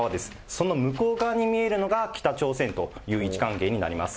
その向こう側に見えるのが北朝鮮という位置関係になります。